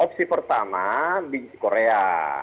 opsi pertama di korea